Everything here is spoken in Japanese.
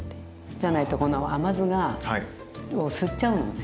じゃないとこの甘酢を吸っちゃうのね